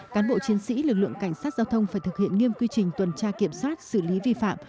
cán bộ chiến sĩ lực lượng cảnh sát giao thông phải thực hiện nghiêm quy trình tuần tra kiểm soát xử lý vi phạm